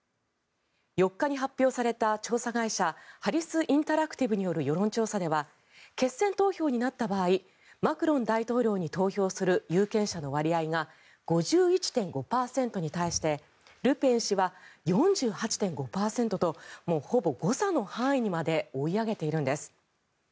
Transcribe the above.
４日に発表された調査会社ハリス・インタラクティブによる世論調査では決選投票になった場合マクロン大統領に投票する有権者の割合が５１．５％に対してルペン氏は４８．５％ともう、ほぼ誤差の範囲にまで追い上げているんです。